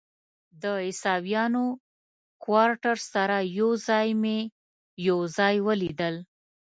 د عیسویانو کوارټر سره یو ځای مې یو ځای ولیدل.